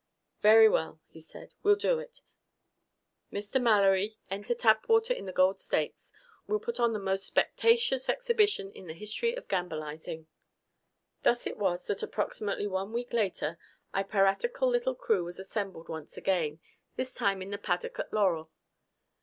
"Very well," he said. "We'll do it. Mr. Mallory, enter Tapwater in the Gold Stakes. We'll put on the most spectaceous exhibition in the history of gambilizing!" Thus it was that approximately one week later our piratical little crew was assembled once again, this time in the paddock at Laurel.